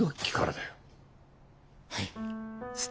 はい。